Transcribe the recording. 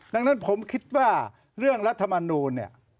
ดังนั้นผมคิดว่าเรื่องรัฐมนูลเนี่ย